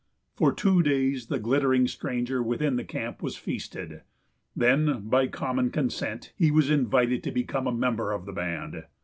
For two days the glittering stranger within the camp was feasted. Then, by common consent, he was invited to become a member of the band.